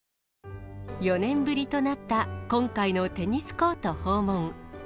４年ぶりとなった今回のテニスコート訪問。